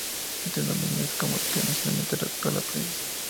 Este demonio es como el que inicialmente raptó a la princesa.